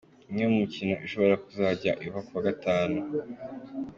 Imwe mu mikino ishobora kuzajya iba ku wa Gatanu.